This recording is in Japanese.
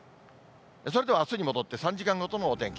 それではあすに戻って、３時間ごとのお天気。